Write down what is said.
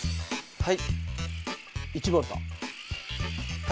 はい。